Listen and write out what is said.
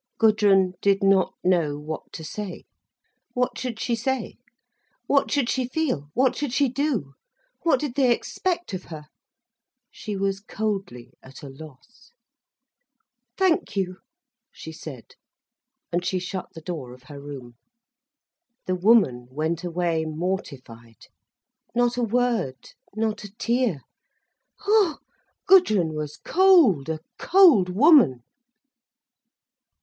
Gudrun did not know what to say. What should she say? What should she feel? What should she do? What did they expect of her? She was coldly at a loss. "Thank you," she said, and she shut the door of her room. The woman went away mortified. Not a word, not a tear—ha! Gudrun was cold, a cold woman.